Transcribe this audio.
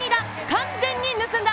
完全に盗んだ！